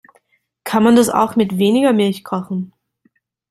Kann man das auch mit weniger Milch kochen?